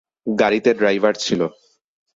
গাড়ীতে ড্রাইভার ছিল।